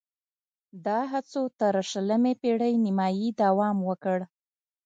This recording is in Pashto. دا هڅو تر شلمې پېړۍ نیمايي دوام وکړ